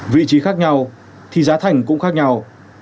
vị trí khác nhau thì giá thành cũng khác nhau